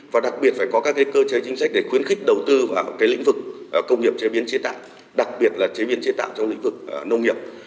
và đặc biệt phải có các cơ chế chính sách để khuyến khích đầu tư vào lĩnh vực công nghiệp chế biến chế tạo đặc biệt là chế biến chế tạo trong lĩnh vực nông nghiệp